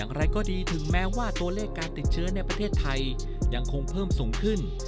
อย่างไรก็ดีถึงแม้ว่าตัวเลขการติดเชื้อในประเทศไทยยังคงเพิ่มสูงขึ้น